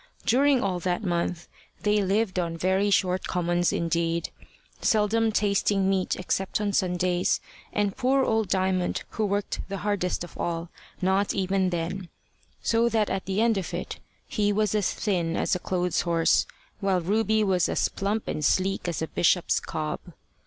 During all that month, they lived on very short commons indeed, seldom tasting meat except on Sundays, and poor old Diamond, who worked hardest of all, not even then so that at the end of it he was as thin as a clothes horse, while Ruby was as plump and sleek as a bishop's cob.